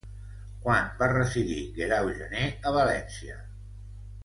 Quan va residir Guerau Gener a València?